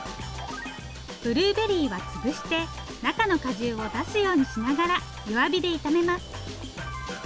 ブルーベリーは潰して中の果汁を出すようにしながら弱火で炒めます。